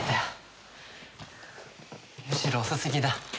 むしろ遅すぎだ。